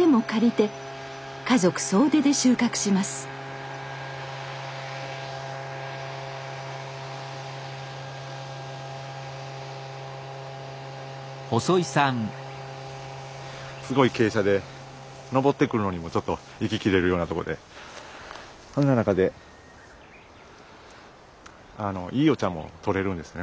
すごい傾斜で登ってくるのにもちょっと息切れるようなところでそんな中でいいお茶もとれるんですね